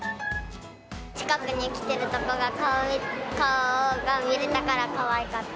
近くに来てるとこが顔が見れたから、かわいかった。